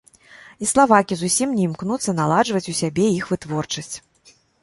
І славакі зусім не імкнуцца наладжваць у сябе іх вытворчасць.